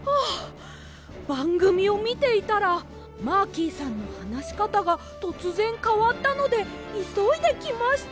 ばんぐみをみていたらマーキーさんのはなしかたがとつぜんかわったのでいそいできました！